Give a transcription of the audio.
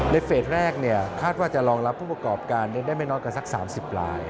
เฟสแรกคาดว่าจะรองรับผู้ประกอบการได้ไม่น้อยกว่าสัก๓๐ลาย